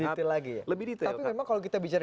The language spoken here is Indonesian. detail lagi ya lebih detail tapi memang kalau kita bicara